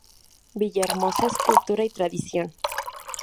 Villahermosa es cultura y tradición.